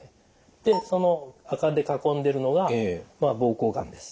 でその赤で囲んでるのが膀胱がんです。